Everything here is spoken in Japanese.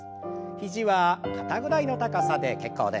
肘は肩ぐらいの高さで結構です。